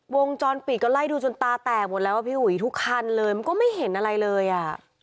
วงจรปิดก็ไล่ดูจนตาแตกหมดแล้วอ่ะพี่อุ๋ยทุกคันเลยมันก็ไม่เห็นอะไรเลยอ่ะ